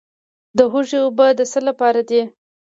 د هوږې اوبه د څه لپاره دي؟